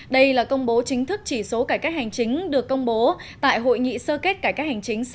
đây là công bố chính thức chỉ số cải cách hành chính được công bố tại hội nghị sơ kết cải cách hành chính